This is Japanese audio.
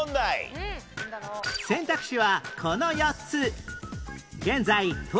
選択肢はこの４つ）